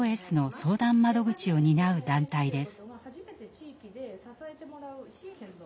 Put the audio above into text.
相談窓口を担う団体です。